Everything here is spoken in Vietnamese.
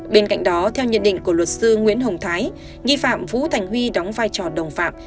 bên cạnh đó theo nhận định của luật sư nguyễn hồng thái nghi phạm vũ thành huy đóng vai trò đồng phạm